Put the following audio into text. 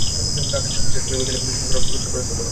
ঢাকার সিভিল সার্জনকেও বিকেলে ফোন করে প্রস্তুত থাকার কথা বলা হয়।